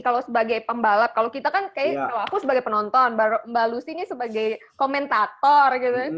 kalau sebagai pembalap kalau kita kan kayaknya kalau aku sebagai penonton mbak lucy ini sebagai komentator gitu